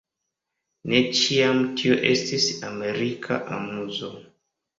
Ne ĉiam tio estis amerika amuzo.